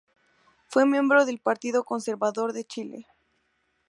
Fue miembro del Partido Conservador de Chile.